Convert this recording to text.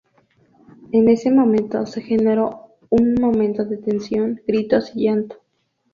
En ese momento se generó un momento de tensión, gritos y llanto.